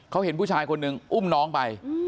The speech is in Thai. เขาเห็นผู้ชายคนหนึ่งอุ้มน้องไป